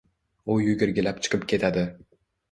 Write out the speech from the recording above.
U yugurgilab chiqib ketadi.